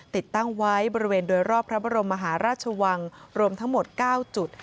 ติดตั้งไว้บริเวณโดยรอบพระบรมมหาราชวังรวมทั้งหมด๙จุด